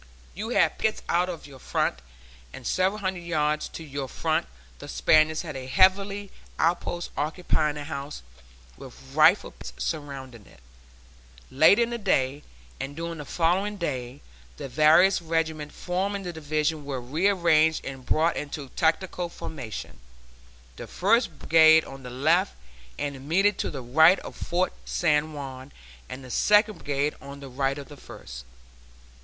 You had pickets out to your front; and several hundred yards to your front the Spaniards had a heavy outpost occupying a house, with rifle pits surrounding it. Later in the day, and during the following day, the various regiments forming the Division were rearranged and brought into tactical formation, the First Brigade on the left and immediately to the right of Fort San Juan, and the Second Brigade on the right of the First.